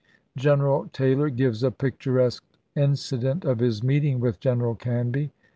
General Taylor gives a picturesque incident of his meeting with General Canby.